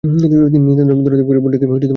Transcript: তিনি নিতান্ত দরদে পড়ে বোনটিকে নিজের কাছে এনেছেন।